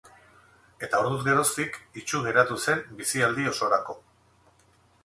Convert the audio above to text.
Eta orduz geroztik itsu geratu zen bizialdi osorako.